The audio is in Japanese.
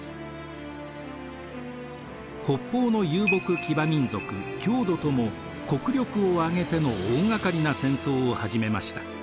北方の遊牧騎馬民族匈奴とも国力を挙げての大がかりな戦争を始めました。